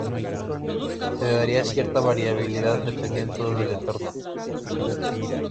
Se daría cierta variabilidad dependiendo del entorno.